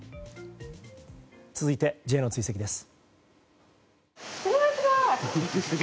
続いて、Ｊの追跡です。